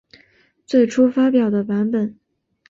最初发表的版本。